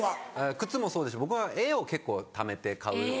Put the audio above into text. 靴もそうだし僕は絵を結構貯めて買うように。